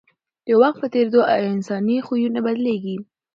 د وخت په تېرېدو انساني خویونه بدلېږي.